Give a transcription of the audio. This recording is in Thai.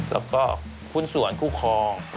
และก็ผู้ส่วนคู่ครอง